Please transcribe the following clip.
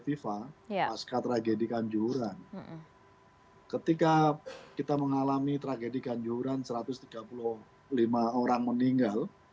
fifa pasca tragedi kanjuran ketika kita mengalami tragedi kanjuran satu ratus tiga puluh lima orang meninggal